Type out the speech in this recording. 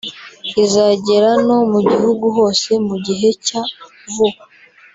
izagera no mu gihugu hose mu gihe cya vuba